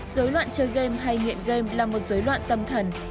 rối loạn chơi game hay nghiện game là một rối loạn tâm thần